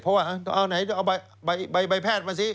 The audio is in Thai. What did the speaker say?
เพราะว่าเอาไหนได้ยังเอาใบแพดมาสิ